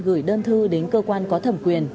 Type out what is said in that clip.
gửi đơn thư đến cơ quan có thẩm quyền